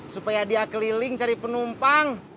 supaya dia keliling cari penumpang